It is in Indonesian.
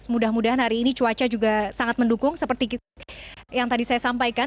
mudah mudahan hari ini cuaca juga sangat mendukung seperti yang tadi saya sampaikan